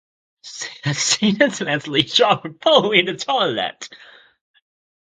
She accidentally dropped her phone into the toilet.